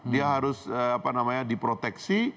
dia harus diproteksi